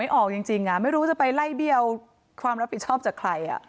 ออกจริงไม่รู้จะไปไล่เบี้ยวความรับผิดชอบจากใคร